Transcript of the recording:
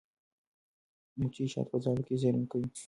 مچۍ شات په ځالو کې زېرمه کوي.